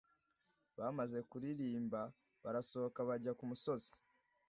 bamaze kuririmba barasohoka bajya ku musozi